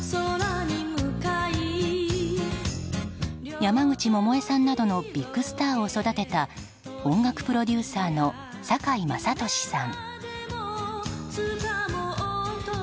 山口百恵さんなどのビッグスターを育てた音楽プロデューサーの酒井政利さん。